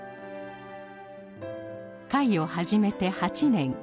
会を始めて８年。